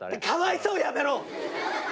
「かわいそう」やめろ！